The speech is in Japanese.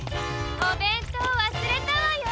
おべんとうわすれたわよ。